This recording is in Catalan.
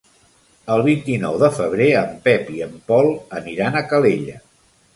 El vint-i-nou de febrer en Pep i en Pol aniran a Calella.